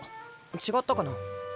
違ったかな？